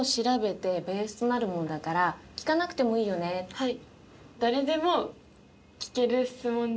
はい。